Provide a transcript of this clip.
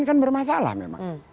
kan bermasalah memang